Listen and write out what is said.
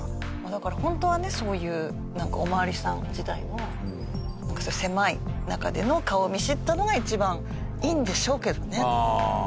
だから本当はねそういうお巡りさん時代の狭い中での顔見知ったのが一番いいんでしょうけどね。